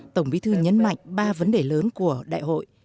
tổng bí thư nhấn mạnh ba vấn đề lớn của đại hội